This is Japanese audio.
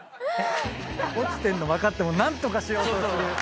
落ちてんの分かっても何とかしようとする。